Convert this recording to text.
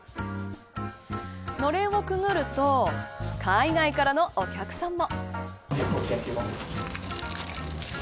のれんをくぐると海外からのお客さんも。